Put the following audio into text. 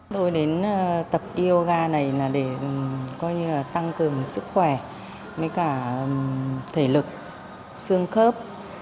tôi đến tập yoga này để tăng cường sức khỏe thể lực xương khớp